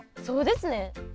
そうですね。